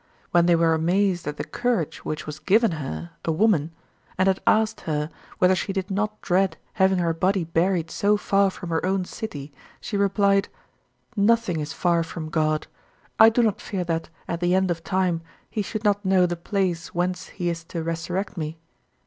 When they were amazed at the courage which was given her, a woman, and had asked her whether she did not dread having her body buried so far from her own city, she replied: "Nothing is far from God. I do not fear that, at the end of time, he should not know the place whence he is to resurrect me."